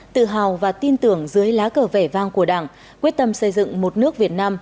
tự hào và tin tưởng dưới lá cờ vẻ vang của đảng quyết tâm xây dựng một nước việt nam